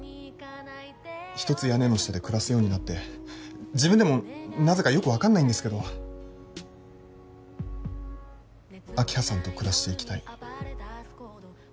ひとつ屋根の下で暮らすようになって自分でもなぜかよく分かんないんですけど明葉さんと暮らしていきたい